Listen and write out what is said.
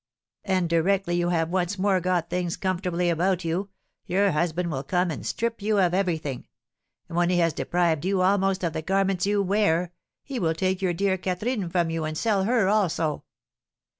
And directly you have once more got things comfortably about you, your husband will come and strip you of everything; and when he has deprived you almost of the garments you wear, he will take your dear Catherine from you and sell her also."